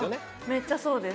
めっちゃそうです